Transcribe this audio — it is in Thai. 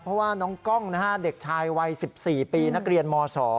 เพราะว่าน้องกล้องเด็กชายวัย๑๔ปีนักเรียนม๒